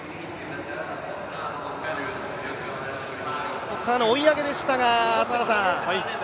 そこからの追い上げでしたが。